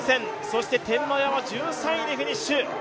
そして天満屋は１３位でフィニッシュ。